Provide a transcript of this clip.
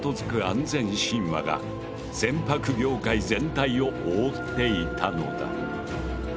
安全神話が船舶業界全体を覆っていたのだ。